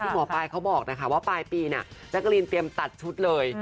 ที่หมอปลายเขาบอกนะคะว่าปลายปีน่ะนักกะลินเตรียมตัดชุดเลย